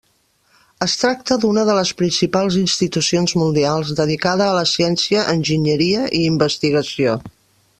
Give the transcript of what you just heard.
Es tracta d'una de les principals institucions mundials dedicada a la ciència, enginyeria i investigació.